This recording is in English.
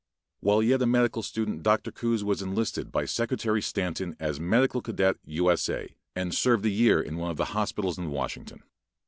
While yet a medical student, Dr. Coues was enlisted by Secretary Stanton as medical cadet, U. S. A., and served a year in one of the hospitals in Washington.